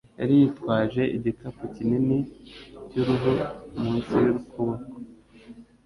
Yari yitwaje igikapu kinini cy'uruhu munsi y'ukuboko